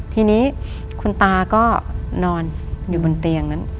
ทีนี้คุณตาก็นอนอยู่บนเตียงนั้น